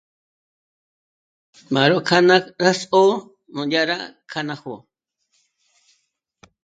Má ró k'â ná... rá só'o, núdya rá kjâ'a ná jó'o